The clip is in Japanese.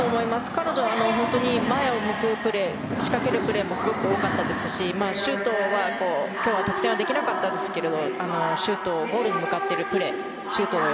彼女は前を向くプレーや仕掛けるプレーがすごく多かったですし今日は得点はできなかったですけどゴールに向かっていくプレー